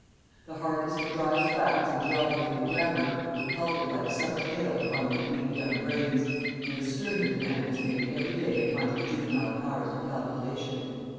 The hardest and driest facts in geography and grammar were pelted like summer hail upon their weak young brains, and a sterner demand was made every day upon their juvenile powers of calculation.